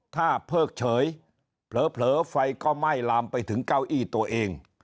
ถ้าเพิกเฉยเผลอไฟก็ไหม้ลามไปถึงเก้าอี้ตัวเอง